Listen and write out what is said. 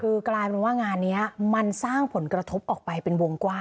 คือกลายเป็นว่างานนี้มันสร้างผลกระทบออกไปเป็นวงกว้าง